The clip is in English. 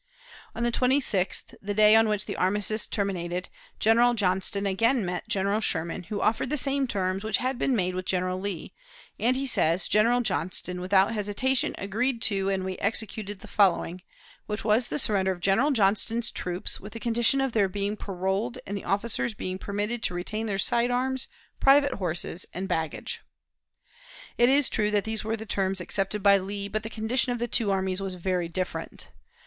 On the 26th, the day on which the armistice terminated, General Johnston again met General Sherman, who offered the same terms which had been made with General Lee, and he says, "General Johnston, without hesitation, agreed to, and we executed the following," which was the surrender of General Johnston's troops, with the condition of their being paroled and the officers being permitted to retain their side arms, private horses, and baggage. It is true that these were the terms accepted by Lee, but the condition of the two armies was very different.